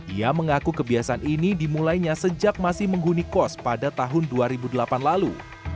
ia mengaku kebiasaan ini dimulainya sejak masih menghuni kos pada tahun dua ribu delapan lalu